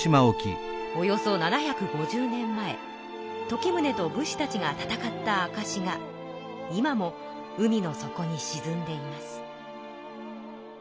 およそ７５０年前時宗と武士たちが戦ったあかしが今も海の底にしずんでいます。